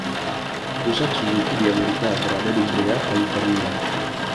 Pusat Suzuki di Amerika berada di Brea, California.